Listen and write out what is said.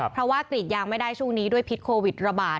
เพราะว่ากรีดยางไม่ได้ช่วงนี้ด้วยพิษโควิดระบาด